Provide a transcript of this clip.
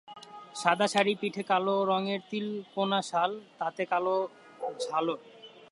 সাদা শাড়ি, পিঠে কালো রঙের তিনকোণা শাল, তাতে কালো ঝালর।